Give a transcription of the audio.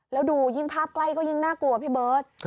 แล้วดูยิ่งภาพใกล้ก็ยิ่งน่ากลัวพี่เบิร์ต